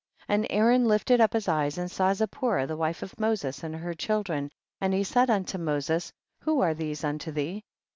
15. And Aaron lifted up his eyes, and saw Zipporah the wife of Moses and her children, and he said unto Moses, who are these unto thee